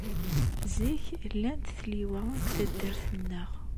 Zik, llant tliwa deg taddart-nneɣ.